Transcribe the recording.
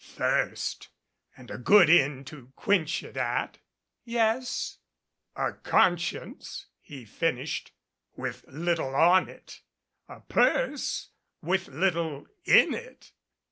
"Thirst and a good inn to quench it at." "Yes " "A conscience," he finished, "with little on it a purse with little in it.